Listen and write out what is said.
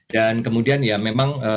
dan kemudian ya memang